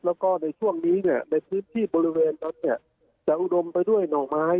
แล้วก็ในช่วงนี้ในทีมที่บริเวณเขาจะอุดมไปด้วยหน่องไม้